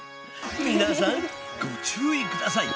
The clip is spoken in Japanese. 皆さんご注意下さい。